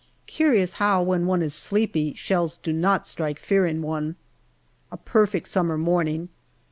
Curious how, when one is sleepy, shells do not strike fear in one. A perfect summer morning.